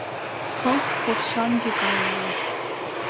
Пылт коршаҥге гай улат...